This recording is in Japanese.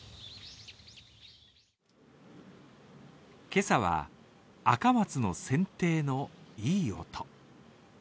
今朝は赤松のせんていのいい音。